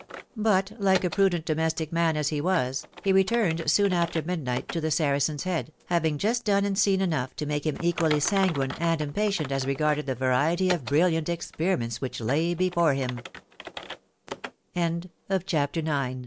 But like a prudent domestic man as he was, he returned soon after midnight to the Saracen's Head, having just done and seen enough to make him equally sanguine and impatient as regarded the variety of brilliant experimen